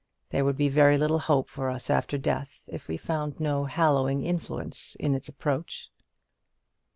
There would be very little hope for us after death, if we found no hallowing influence in its approach."